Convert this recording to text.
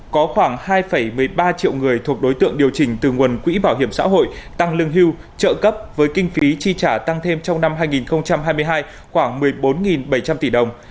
có khoảng hai một mươi ba triệu người thuộc đối tượng điều chỉnh từ nguồn quỹ bảo hiểm xã hội tăng lương hưu trợ cấp với kinh phí chi trả tăng thêm trong năm hai nghìn hai mươi hai khoảng một mươi bốn bảy trăm linh tỷ đồng